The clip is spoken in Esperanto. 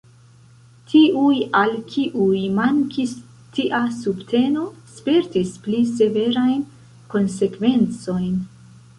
Tiuj, al kiuj mankis tia subteno, spertis pli severajn konsekvencojn.